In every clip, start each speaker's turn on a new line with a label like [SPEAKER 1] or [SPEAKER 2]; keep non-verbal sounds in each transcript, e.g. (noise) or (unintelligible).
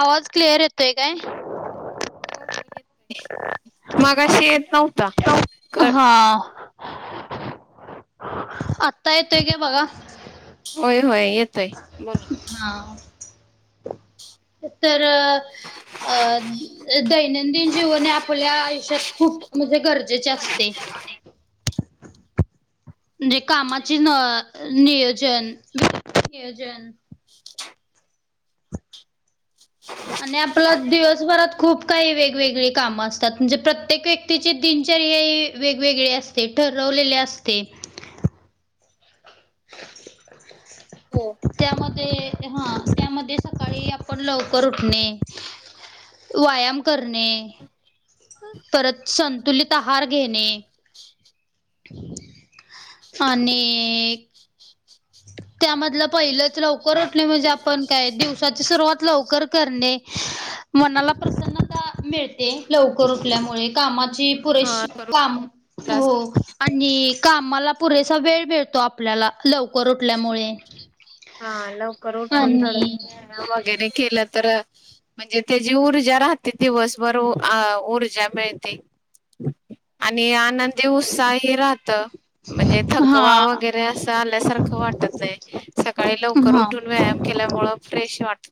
[SPEAKER 1] आवाज क्लिअर येतोय काय?
[SPEAKER 2] हो हो येतोय.
[SPEAKER 1] (inaudible)
[SPEAKER 2] मागाशी येत नव्हता. क
[SPEAKER 1] हा आता येतोय की बघा.
[SPEAKER 2] होय होय येतोय. बोला.
[SPEAKER 1] हा तर अ दैनंदिन जीवने आपल्या आयुष्यात खूप म्हणजे गरजेचे असते. म्हणजे कामाची न नियोजन नियोजन आणि आप दिवसभरात खूप काही वेगवेगळी काम असतात. म्हणजे प्रत्येक व्यक्तीची तीन वेगवेगळे असते. ठरवलेले असते. (inaudible)
[SPEAKER 2] हम्.
[SPEAKER 1] त्यामध्ये हा त्यामध्ये सकाळी आपण लवकर उठणे व्यायाम करणे. परत संतुलित आहार घेणे. आणि. त्यामधलं पहिलंच लवकर उटले म्हणजे आपण काय दिवसाची सुरुवात लवकर करणे. मनाला प्रसन्नता मिळते लवकर उठल्यामुळे कामाची
[SPEAKER 2] हा
[SPEAKER 1] पुरेशी काम. हो आणि कामाला पुरेसा वेळ मिळतो आपल्याला लवकर. टल्यामुळे.
[SPEAKER 2] हा लवकर उठून जड वगैरे केलं तर. म्हणजे त्याची ऊर्जा राहते दिवसभर ऊर्जा मिळते. आणि आनंदी उत्साही राहत. म्हणजे थकवा
[SPEAKER 1] हा
[SPEAKER 2] वगैरे असं आल्यासारखं वाटत नाही. सकाळी लवकर
[SPEAKER 1] हा
[SPEAKER 2] उठून व्यायाम केल्यामुळ फ्रेश वाटत.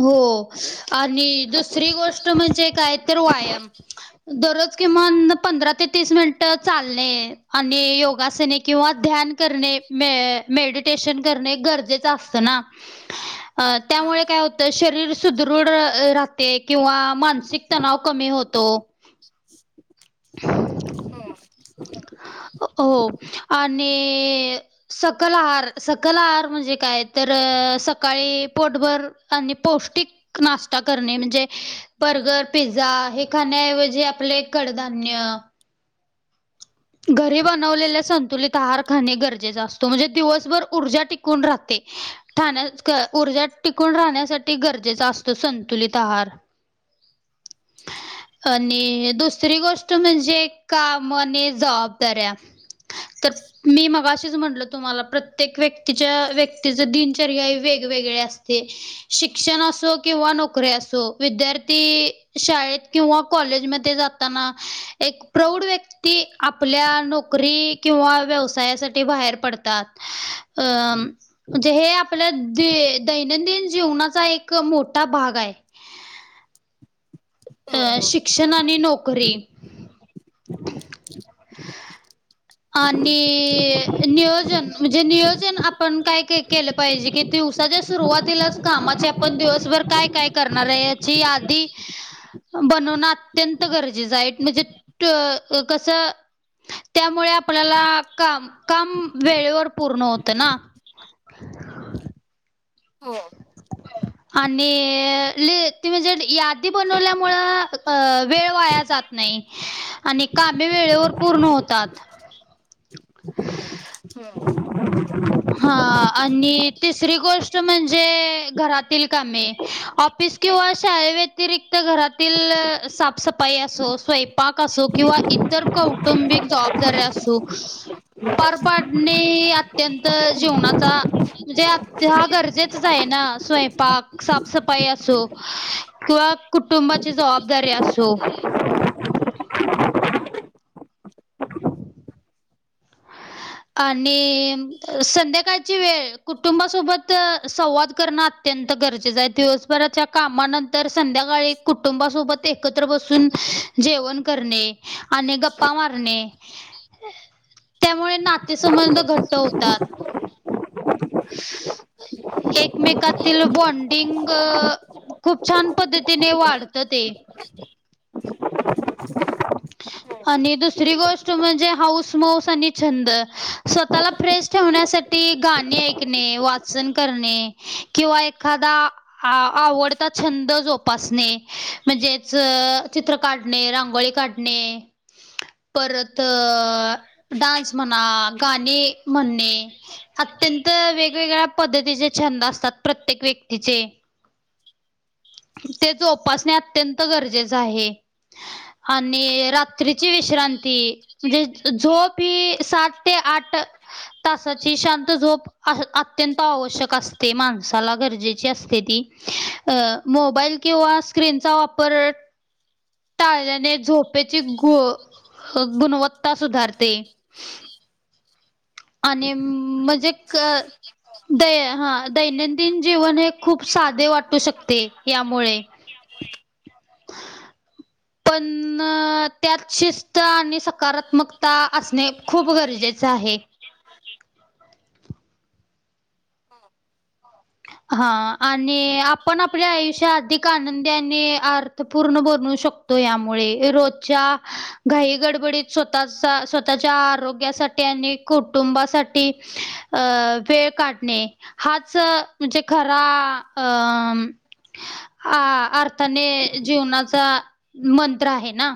[SPEAKER 1] हो. आणि दुसरी गोष्ट म्हणजे काय तर व्यायाम दररोज. कि मग पंधरा ते तीस मिनिट चालणे आणि योगासने किंवा ध्यान करणे मड गजे. अ
[SPEAKER 2] हा
[SPEAKER 1] त्यामुळे काय होतंय शरीर सुदृढ राहते. किंवा मानसिक तणाव कमी होतो.
[SPEAKER 2] हुं
[SPEAKER 1] (inaudible) हो आणि सकल आहार सकल आहार म्हणजे काय तर सकाळी पोटभर आणि पौष्टिक नाष्टा करणे म्हणजे बर्गर, पिझ्झा पिझ्झा हे खाण्याऐवजी आपले कडधान्य घरी बनवलेले संतुलित आहार खाणे गरजेचा आसतो म्हणजे दिवसभर ऊर्जा टिकून राहते. ठाण्या ऊर्जा टिकून राहण्यासाठी गरजेचा असतो संतुलित आहार. (inaudible) आणि दुसरी गोष्ट म्हणजे काम आणि जवाबदाऱ्या तर मी मगाशी शीच म्हटलो तुम्हाला प्रत्येक व्यक्तीच्या व्यक्तीच दिनचर्य हे वेगवेगळे आसते. शिक्षण असो किंवा नोकरी असो विद्यार्थी शाळेत किंवा कॉलेजमध्ये जाताना एक प्रौढ व्यक्ती आपल्या नोक री किंव्हा व्यवसायासाठी बाहेर पडतात अ म्हणजे हे आपलं दैनंदिन जीवनाचा एक मोठा भाग आहे. अ
[SPEAKER 2] हो
[SPEAKER 1] शिक्षण आणि नोकरी आणि नियोजन म्हणजे नियोजन आपण काय केलं पाहिजे की दिवसाच्या सुरुवातीलाच कामाचे आपण दिवसभर तर काय काय करणार आहे याची यादी बनवणं अत्यंत गरजेचं आहे म्हणजे कसं त्यामुळे आपल्याला काम काम वेळेवर पूर्ण होत ना
[SPEAKER 2] (inaudible) हो
[SPEAKER 1] आणि ली तुम्ही जर यादी बनवल्यामूळ वेळ वायाचा जात नाही आणि कामे वेळेवर पूर्ण होतात.
[SPEAKER 2] हम्
[SPEAKER 1] हा आणि तिसरी गोष्ट म्हणजे घरातील कामे ऑफी स किंवा शाळेव्यतिरिक्त घरातील साफसफाई असो स्वयंपाक असो किंवा इतर कौटुंबिक जबाबदारी आसो पर पाडने अत्यत त जीवनाचा म्हणजे हा गरजेचच आहे ना स्वयंपाक साफसफाई असो किंवा कुटुंबाची जवाबदारी असो. आणि संध्याकाळची वेळ कुटुंबासोबत संवाद करणं आ त्यंत गरजेचं आहे दिवसभराच्या कामानंतर संध्याकाळी कुटुंबासोबत एकत्र बसून जेवण करणे आणि गप्पा मारणे त्यामुळे ना ते संबंध घट्ट होतात. (unintelligible) एकमेकातील बॉन्डिंग खूप छान पद्धतीने वाढत ते (inaudible)
[SPEAKER 2] हो
[SPEAKER 1] (inaudible) आणि दुसरी गोष्ट म्हणजे हाऊसमऊस आणि छंद स्वतःला फ्रेश ठेवण्यासाठी गानी ऐकने, वाचन करने, किंवा एखादा आवडता छंद जोपासणे म्हणजेच चित्र काढणे, रांगोळी काढ ने परत डान्स म्हणा गाणे म्हणा त्यंत वेगवेगळ्या पद्धतीचे छंद असतात प्रत्येक व्यक्तीचे ते जोपासणे अत्यंत गरजेच आहे. आणि रात्रीची विश्रांती म्हणजे झोप ही सात ते आठ तासाची शांत झोप अत्यंत आवश्यक असते माणसाला गरजेची असते ती. अ मोबाईल किंवा स्क्रीनचा वापर टाळल्याने झोपेची घु ह गुणवत्ता सुधारते. आणि मजे क दै हा दैनंदिन जीवन हे खूप सादे वाटू शकते यामुळे पण अ त्यात शिस्त आणि सकारात्मकता असणे खूप गरजेचे आहे. हा आ आणि आपण आपल्या आयुष्य अदिक आनंदी आणि अर्थ पूर्ण बनू शकतो यामुळे रोजच्या घाई गडबडीत स्वतः स्वतःच्या आरोग्यासा ठी आणि कुटुंबासाठी अ वेळ काडणे हाच मजे खरा अम आ आर (unintelligible) जीवनाचा मंत्र आहे ना.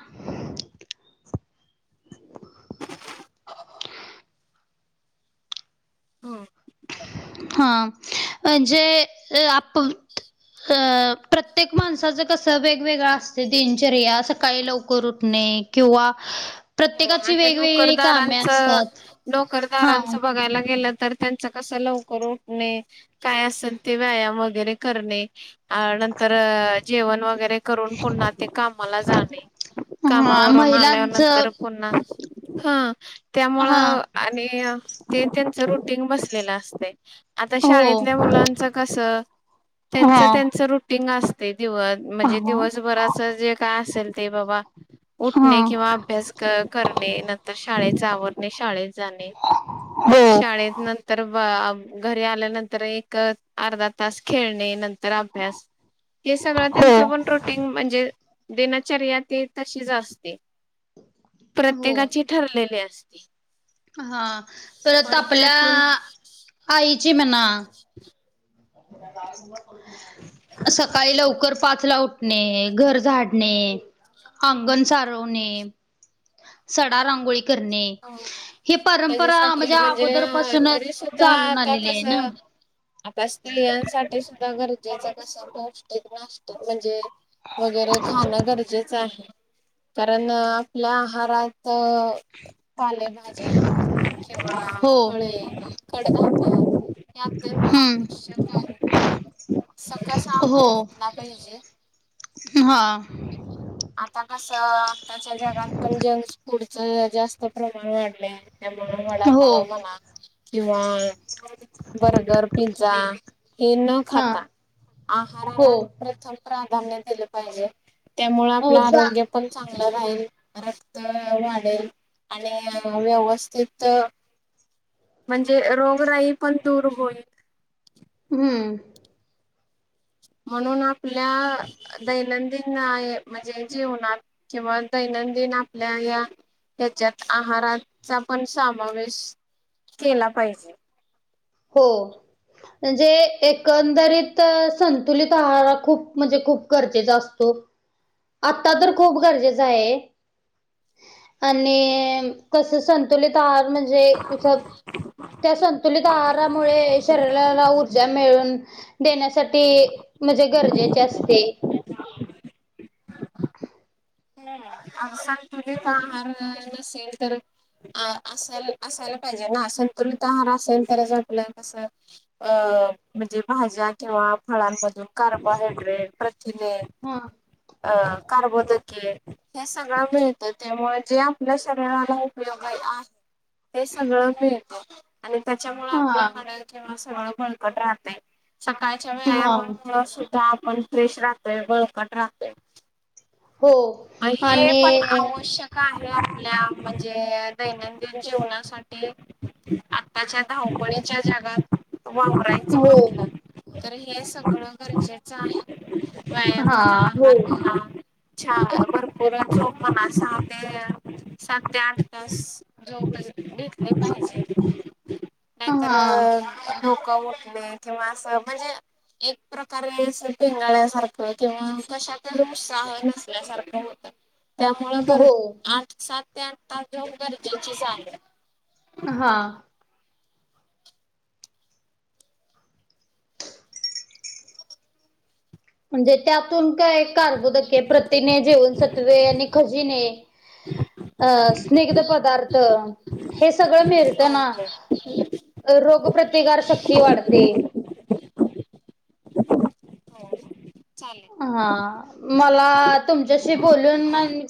[SPEAKER 1] (inaudible)
[SPEAKER 2] हम्म.
[SPEAKER 1] हा म्हणजे आप अ प्रत्येक माणसाचं कसं वेगवेगळं असते दिनचर्या सकाळी लवकर उटणे किंवा
[SPEAKER 2] हो
[SPEAKER 1] प्रत्येकाची
[SPEAKER 2] आता
[SPEAKER 1] वेगवेगळी कामे
[SPEAKER 2] नोकरदारांच
[SPEAKER 1] असतात. हां,
[SPEAKER 2] नोकरदारांचं बगायला गेलं तर त्यांच कस लवकर उटणे काय असेल ते व्यायाम वगेरे करणे अ नंतर अ जेवण वगेरे करून पुन्हा ते कामाला जाणे.
[SPEAKER 1] हां
[SPEAKER 2] कामावरून आल्यानं
[SPEAKER 1] महिलांचं
[SPEAKER 2] ह
[SPEAKER 1] हां,
[SPEAKER 2] त्यामुळं आणि ते त्यांच रुटिंग बसलेल असतय. आता
[SPEAKER 1] हो.
[SPEAKER 2] शाळेतल्या मुलांच कस त्यांच
[SPEAKER 1] हां,
[SPEAKER 2] त्यांच रुटीग अस (unintelligible) मजे
[SPEAKER 1] हां,
[SPEAKER 2] दिवसभराच जे काय असेल ते बाबा उटणे
[SPEAKER 1] हां.
[SPEAKER 2] किंवा क करणे नंतर शाळेच आवरणे शाळेेत जाणे
[SPEAKER 1] हो,
[SPEAKER 2] शाळेत नंतर वा घरी आल्यानंतर एक अर्धा तास खेळणें नं तर अभ्यास हे सगळं
[SPEAKER 1] हो.
[SPEAKER 2] त्यांचपण रुटीग म्हणजे. दिनचर्या ते तशीच असते प्रत्येकाची ठरलेली अस
[SPEAKER 1] हा तर आता
[SPEAKER 2] पण
[SPEAKER 1] आपल्या
[SPEAKER 2] त्यातून
[SPEAKER 1] आईची मणा
[SPEAKER 2] (inaudible)
[SPEAKER 1] (unintelligible) सकाळी लवकर पाचला उटणे, घर झाडणे. अंगण सारवणे सडा रांगोळी करणे हे परंपरा
[SPEAKER 2] त्याच्यासाठी
[SPEAKER 1] मणजे
[SPEAKER 2] म्हणजे
[SPEAKER 1] अगोदरपासून
[SPEAKER 2] तरी सुद्धा
[SPEAKER 1] चालून
[SPEAKER 2] आता
[SPEAKER 1] आलेली आहे ना
[SPEAKER 2] कसं आता स्त्रियांसाठी सुदा गरजेचं कस पौष्टिक नास्त मणजे वगेरे खाणं गरजेचं आहे कारण आपल्या आहारात अ पालेभाज्या किंवा
[SPEAKER 1] हो
[SPEAKER 2] फळे कडधान्य हे अत्यंत
[SPEAKER 1] हम्म.
[SPEAKER 2] आवश्यक आहे. सकस आहार
[SPEAKER 1] हो
[SPEAKER 2] घेतला पाहिजे.
[SPEAKER 1] हा
[SPEAKER 2] आता कस आताच्या जगात पण जंक्स फूडच जास्त प्रमाण वाढलंय त्यामुळ
[SPEAKER 1] हो
[SPEAKER 2] वडापाव म्हणा किंवा बर्गर पिझ्झा हे न
[SPEAKER 1] हा
[SPEAKER 2] खाता
[SPEAKER 1] हो
[SPEAKER 2] आहाराला प्रथम प्रा धान्य दिल पाहिजे त्यामुळ
[SPEAKER 1] हो
[SPEAKER 2] आपलं
[SPEAKER 1] जा
[SPEAKER 2] आरोग्य पण चांगलं राहील रक्त वाडेल आणि अ व्यवस्तित म्हणजे रोगराई पण दूर होईल.
[SPEAKER 1] हं
[SPEAKER 2] म्हणून आपल्या दैनंदिन म्हणजे जीवनात किंवा दैन दैनंदिन आपल्या या ह्याच्यात आहाराचा पण सामावेश केला पाहिजे.
[SPEAKER 1] हो. म्हणजे एकंदरीत संतुलित आहार खूप म्हणजे खूप गरजेचा असतो. आता तर खूप गरजेचं आहे. आणि कस संत तुलीत आहार म्हणजे त्या संतुलित आहारामुळे शरीराला ऊर जा मिळून देण्यासाठी म्हणजे गरजेचे असते. (inaudible)
[SPEAKER 2] अवसंतुलत आहार नसेल तर. असा असायला पाहिजे ना संतुलित आहार असेल तरच आपलं कसं अ अ म्हणजे भाज्या किंवा फळांमधून कार्बोहायड्रेट हे
[SPEAKER 1] हा.
[SPEAKER 2] अ कार्बोदके. हे सगळं मिळतं त्यामुळे जे आपल्या शरीराला उपयोग आहे. ते सगळं मिळतं आणि त्याच्यामुळे
[SPEAKER 1] हा
[SPEAKER 2] आपली हाड किंवा सगळं बळकट राहतय. सकाळच्या
[SPEAKER 1] हा
[SPEAKER 2] व्यायामामुळे सुद्धा आपण फ्रेश राहतोय बळकट राहतोय.
[SPEAKER 1] हो
[SPEAKER 2] हे
[SPEAKER 1] आणि
[SPEAKER 2] पण आवश्यक आहे. आपल्या म्हणजे दैनंदिन जीवनासाठी आताच्या धावपळी च्या जगात. वापरायचं
[SPEAKER 1] हो
[SPEAKER 2] म्हटलं तर हे सगळं गरजेचं आहे. व्यायाम
[SPEAKER 1] हा
[SPEAKER 2] म्हणा
[SPEAKER 1] हो
[SPEAKER 2] आहार म्हणा भरपूर जो मनासते. सात ते आठ तास जॉब घेतले पाहिजे. नाहीतर
[SPEAKER 1] हा
[SPEAKER 2] डोकं उठणे किंवा असं म्हणजे. एक प्रकारे अस पिंगाळ्यासारखं किंवा कशात उत्साह नसल्यासारख. त्यामुळ
[SPEAKER 1] हो
[SPEAKER 2] आठ सात ते आठ तास झोप गरजेची आहे.
[SPEAKER 1] हा म्हणजे त्यातून काय कारबोदक आहे प्रतीने जेवनसत्वे आणि खजीने अं स्निग्ध पदार्थ हे सगळ मिळत
[SPEAKER 2] हो
[SPEAKER 1] ना
[SPEAKER 2] हो
[SPEAKER 1] रोग प्रतिकार शक्ती वाढते.
[SPEAKER 2] हो चालेल.
[SPEAKER 1] हा मला तुमच्याशी बोलून